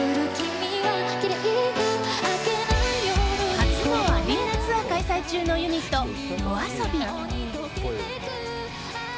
初のアリーナツアー開催中のユニット、ＹＯＡＳＯＢＩ。